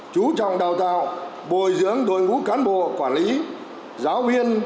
chú trọng đào tạo bồi dưỡng đội ngũ cán bộ quản lý giáo viên